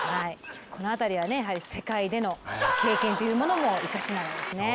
この辺りはやはり世界での経験というものも生かしながらですね。